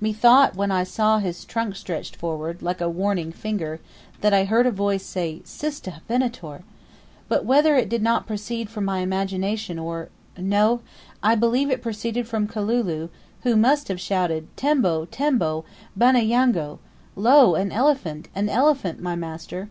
Methought when I saw his trunk stretched forward, like a warning finger, that I heard a voice say, "Siste, Venator!" But whether it did not proceed from my imagination or No; I believe it proceeded from Kalulu, who must have shouted, "Tembo, tembo! bana yango!" "Lo! an elephant! an elephant, my master!"